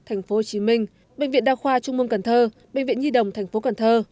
tp hcm bệnh viện đa khoa trung mương cần thơ bệnh viện nhi đồng tp cn